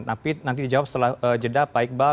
tapi nanti dijawab setelah jeda pak iqbal